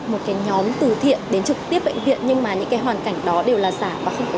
pháp chống thử thiện đến trực tiếp bệnh viện nhưng mà những cái hoàn cảnh đó đều là giả và không có